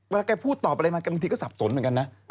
เวลาแกพูดตอบอะไรมาบางทีก็สับสนเหมือนกันนะ